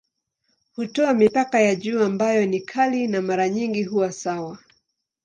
Hutoa mipaka ya juu ambayo ni kali na mara nyingi huwa sawa.